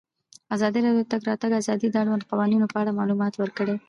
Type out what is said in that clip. ازادي راډیو د د تګ راتګ ازادي د اړونده قوانینو په اړه معلومات ورکړي.